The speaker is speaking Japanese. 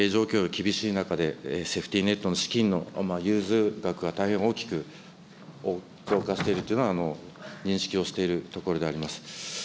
厳しい中で、セーフティネットの資金の融通額が大変大きく増加しているというのは、認識をしているところであります。